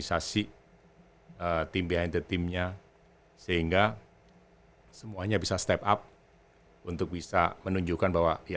semua orang mempunyai kepentingan